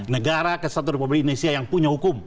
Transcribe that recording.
negara kesatuan republik indonesia yang punya hukum